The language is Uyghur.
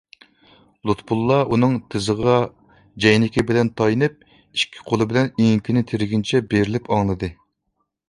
لۇتپۇللا ئۇنىڭ تىزىغا جەينىكى بىلەن تايىنىپ، ئىككى قولى بىلەن ئېڭىكىنى تىرىگىنىچە بېرىلىپ ئاڭلىدى.